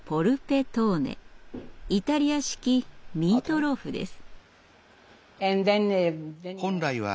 イタリア式ミートローフです。